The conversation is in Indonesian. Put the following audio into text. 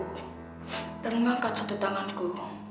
tidak ada yang bisa ditanganku